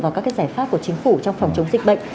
vào các giải pháp của chính phủ trong phòng chống dịch bệnh